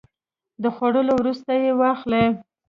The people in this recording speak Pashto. د خوړو وروسته یی واخلئ